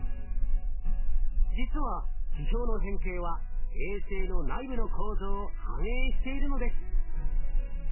実は地表の変形は衛星の内部の構造を反映しているのです。